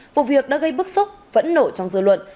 vụ việc đã gây bức xúc phẫn nổ trong dự luận